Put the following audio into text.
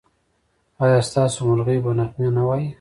ایا ستاسو مرغۍ به نغمې نه وايي؟